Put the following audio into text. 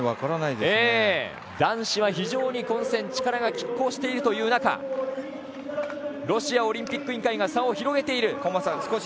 男子は非常に混戦力がきっ抗しているという中ロシアオリンピック委員会が差を広げている。